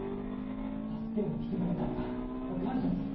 助けに来てくれたのか！？感謝する！